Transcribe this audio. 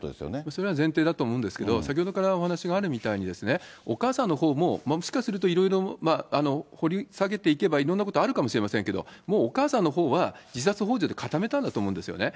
それは前提だと思うんですけれども、先ほどからお話があるみたいにですね、お母さんのほうももしかするといろいろ、掘り下げていけばいろんなことあるかもしれませんけど、もうお母さんのほうは自殺ほう助で固めたんだと思うんですよね。